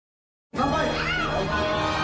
乾杯！